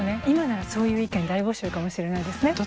今ならそういう意見大募集かもしれないですね。